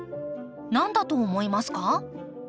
何だと思いますか？